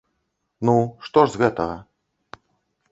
Ну, што ж з гэтага?